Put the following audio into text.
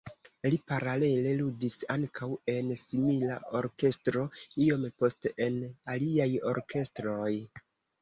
Li paralele ludis ankaŭ en simila orkestro, iom poste en aliaj orkestroj.